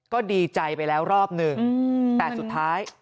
ก็ดีใจไปแล้วรอบหนึ่งแต่สุดท้าย